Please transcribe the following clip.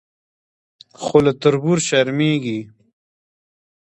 خو له تربور شرمېږي.